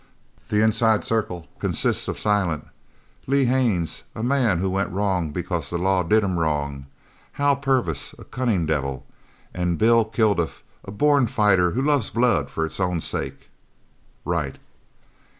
"The inside circle consists of Silent; Lee Haines, a man who went wrong because the law did him wrong; Hal Purvis, a cunning devil; and Bill Kilduff, a born fighter who loves blood for its own sake." "Right."